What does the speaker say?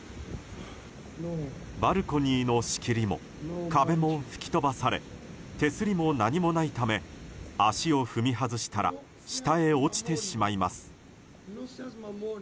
バルコニーの仕切りも壁も吹き飛ばされ手すりも何もないため足を踏み外したら下へ落ちてしまいます。